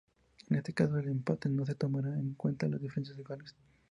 En caso de empate, no se tomará en cuenta las diferencias de goles.